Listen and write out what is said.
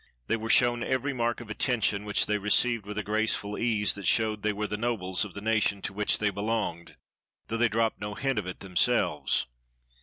They were shown every mark of attention, which they received with a graceful ease that showed they were the nobles of the nation to which they belonged, though they dropped no hint of it themselves.